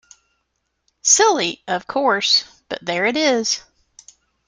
Silly, of course, but there it is.